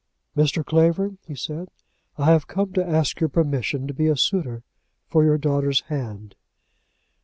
"Mr. Clavering," he said, "I have come to ask your permission to be a suitor for your daughter's hand."